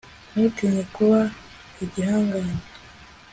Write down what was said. ntutinye kuba igihangange